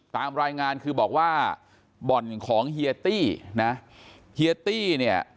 ตามรายงานคือบอกว่าบ่อนของเฮียตี้นะเฮียตี้เนี่ย